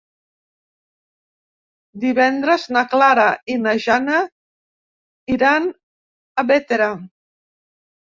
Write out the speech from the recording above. Divendres na Clara i na Jana iran a Bétera.